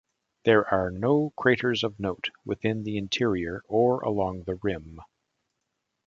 There are no craters of note within the interior or along the rim.